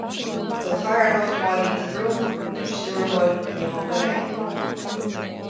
don Chathaoirleach Máirín de Brún; don Stiúrthóir Liam Ó Maolaodha